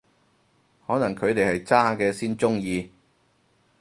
可能佢哋係渣嘅先鍾意